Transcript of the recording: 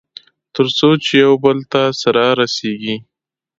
تر څو چې يوبل ته سره رسېږي.